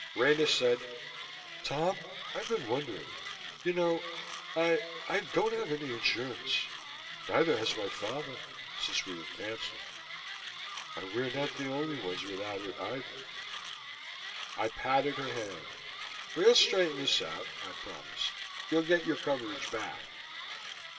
Rena said: "Tom, I've been wondering. You know, I I don't have any insurance. Neither has my father, since we were canceled. And we're not the only ones without it, either." I patted her hand. "We'll straighten this out," I promised. "You'll get your coverage back."